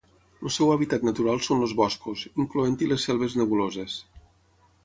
El seu hàbitat natural són els boscos, incloent-hi les selves nebuloses.